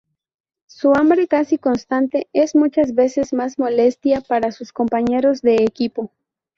Su hambre casi constante es muchas veces una molestia para sus compañeros de equipo.